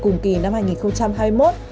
cùng kỳ năm hai nghìn hai mươi một